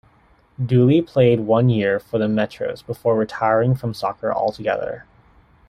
Dooley played one year for the Metros before retiring from soccer altogether.